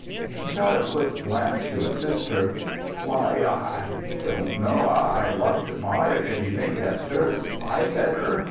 He shot a quick glance to his sister. "Why, I I don't know. I I'd love it, ma if if you think, Esther, I'd better."